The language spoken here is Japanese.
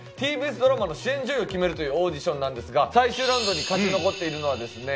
ＴＢＳドラマの主演女優を決めるというオーディションなんですが最終ラウンドに勝ち残っているのはですね